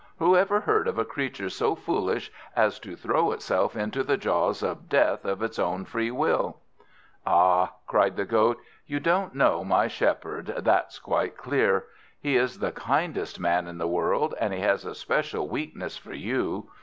Who ever heard of a creature so foolish as to throw itself into the jaws of death of its own free will?" "Ah," replied the Goat, "you don't know my Shepherd, that's quite clear. He is the kindest man in the world, and he has a special weakness for you.